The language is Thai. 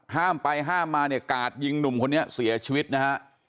ห้ามไปห้ามมาเนี่ยกาดยิงหนุ่มคนนี้เสียชีวิตนะฮะ